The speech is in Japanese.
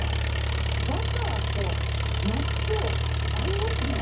バターと納豆合いますね！